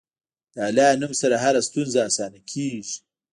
د الله نوم سره هره ستونزه اسانه کېږي.